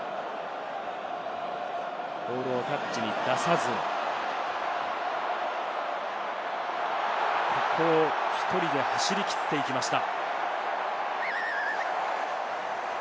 ボールをタッチに出さず、ここ、１人で走り切っていきました。